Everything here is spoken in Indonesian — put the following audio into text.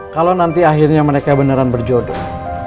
kalau nanti akhirnya mereka beneran berjodoh